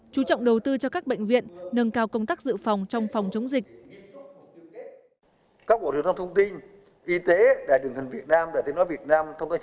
chú trọng đầu tư cho các bệnh viện nâng cao công tác dự phòng trong phòng chống dịch